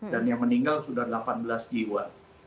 dan yang meninggal sudah delapan belas jiwa